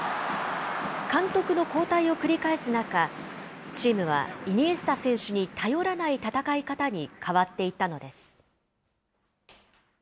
監督の交代を繰り返す中、チームはイニエスタ選手に頼らない戦い方に変わっていったのです。